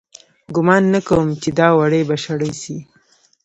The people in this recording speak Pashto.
گومان نه کوم چې دا وړۍ به شړۍ سي